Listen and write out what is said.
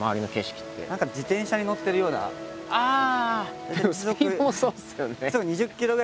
ああ！